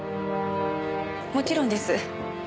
もちろんです。